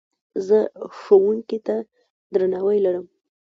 زه ښوونکي ته درناوی لرم.